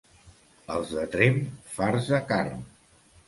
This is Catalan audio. Els de Tremp, farts de carn.